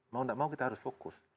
mau tidak mau kita harus fokus